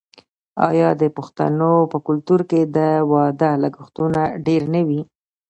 آیا د پښتنو په کلتور کې د واده لګښتونه ډیر نه وي؟